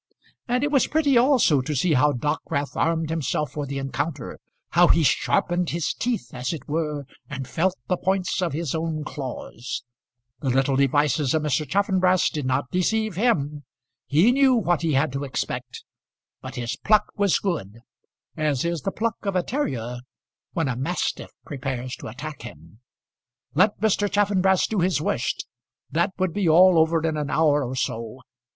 And it was pretty also to see how Dockwrath armed himself for the encounter, how he sharpened his teeth, as it were, and felt the points of his own claws. The little devices of Mr. Chaffanbrass did not deceive him. He knew what he had to expect; but his pluck was good, as is the pluck of a terrier when a mastiff prepares to attack him. Let Mr. Chaffanbrass do his worst; that would all be over in an hour or so.